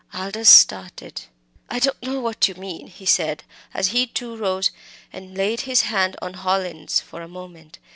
Aldous started. "I don't know what you mean," he said, as he too rose and laid his hand on Hallin's for a moment.